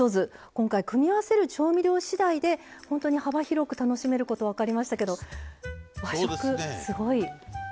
今回組み合わせる調味料次第で本当に幅広く楽しめること分かりましたけど和食すごい幅が広い。